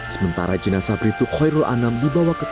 sementara jenasa priptu khoiru anam dibawa ke tni au